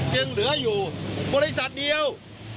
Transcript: จึงเหลืออยู่บริษัทเดียว